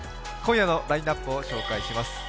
今夜のラインナップを紹介します。